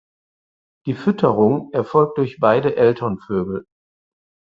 Die Fütterung erfolgt durch beide Elternvögel.